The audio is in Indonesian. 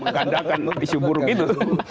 menggandalkan isu buruk itu